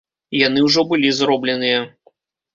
Яны ўжо былі зробленыя.